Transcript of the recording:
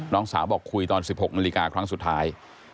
น้องสาวบอกคุยตอน๑๖นาฬิกาครั้งสุดท้าย